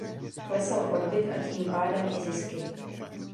Klesal odbyt a tím pádem i zisky.